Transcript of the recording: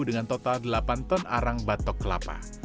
dengan total delapan ton arang batok kelapa